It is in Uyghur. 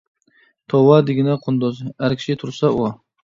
توۋا دېگىنە قۇندۇز، ئەر كىشى تۇرسا ئۇ.